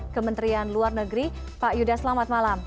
kementerian luar negeri pak yuda selamat malam